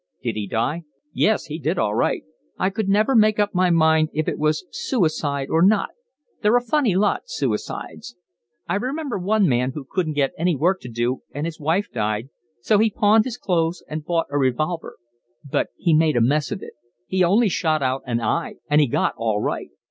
"Did he die?" "Yes, he did all right. I could never make up my mind if it was suicide or not…. They're a funny lot, suicides. I remember one man who couldn't get any work to do and his wife died, so he pawned his clothes and bought a revolver; but he made a mess of it, he only shot out an eye and he got all right.